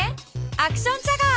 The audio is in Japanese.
アクションチャガー。